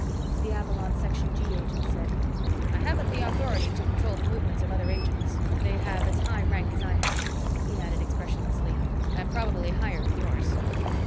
The Avalon Section G agent said, "I haven't the authority to control the movements of other agents, they have as high rank as I have," he added, expressionlessly, "and probably higher than yours."